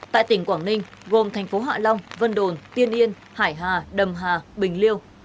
tại tỉnh quảng ninh gồm thành phố hạ long vân đồn tiên yên hải hà đầm hà bình liêu